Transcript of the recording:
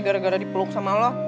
gara gara dipeluk sama lo